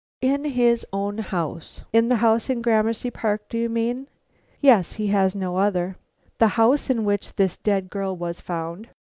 "In his own house? In the house in Gramercy Park, do you mean?" "Yes, he has no other." "The house in which this dead girl was found?"